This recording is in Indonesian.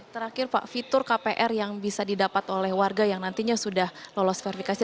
terakhir pak fitur kpr yang bisa didapat oleh warga yang nantinya sudah lolos verifikasi